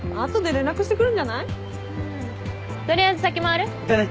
取りあえず先回る？だね！